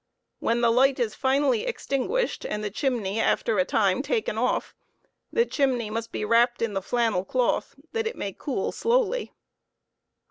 When the light is finally extinguished and the chimney after a time taken off, the chimney must be wrapped in the flannel cloth, that it may cool slowly.